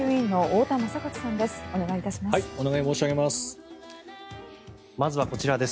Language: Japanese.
お願い申し上げます。